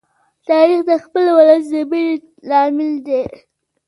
تاریخ د خپل ولس د مینې لامل دی.